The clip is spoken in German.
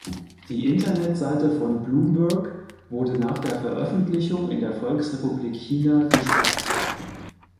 Die Internetseite von Bloomberg wurde nach der Veröffentlichung in der Volksrepublik China gesperrt.